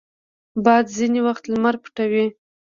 باد ځینې وخت لمر پټوي